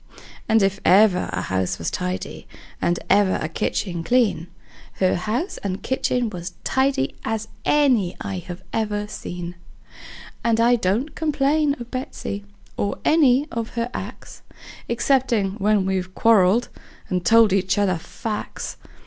And if ever a house was tidy, and ever a kitchen clean, Her house and kitchen was tidy as any I ever seen; And I don't complain of Betsey, or any of her acts, Exceptin' when we've quarreled, and told each other facts.